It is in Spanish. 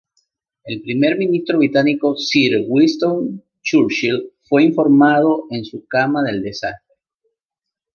El Primer Ministro británico "Sir" Winston Churchill fue informado en su cama del desastre.